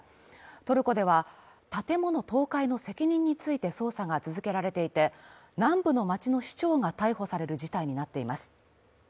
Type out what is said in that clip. トルコでは、建物倒壊の責任について捜査が続けられていて、南部の町の市長が逮捕される事態になっています。